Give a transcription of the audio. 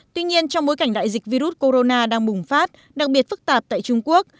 tuy nhiên trong bối cảnh đại dịch virus corona đang bùng phát đặc biệt phức tạp tại trung quốc